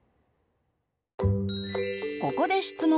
ここで質問。